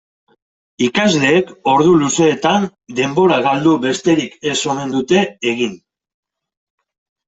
Ikasleek ordu luzeetan denbora galdu besterik ez omen dute egin.